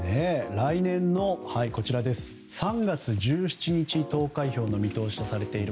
来年の３月１７日投開票の見通しとされている